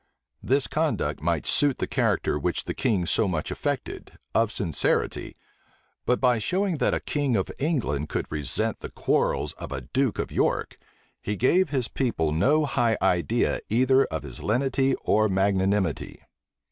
This conduct might suit the character which the king so much affected, of sincerity; but by showing that a king of England could resent the quarrels of a duke of York, he gave his people no high idea either of his lenity or magnanimity.